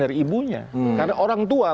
dari ibunya karena orang tua